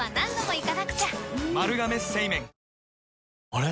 あれ？